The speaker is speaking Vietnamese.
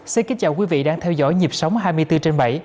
xin kính chào quý vị đang theo dõi nhịp sống hai mươi bốn trên bảy